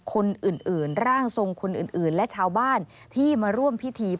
คนอื่นร่างทรงคนอื่นและชาวบ้านที่มาร่วมพิธี